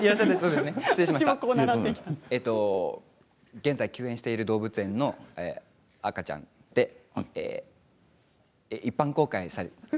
現在休園している動物園の赤ちゃんで一般公開。